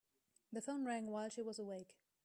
The phone rang while she was awake.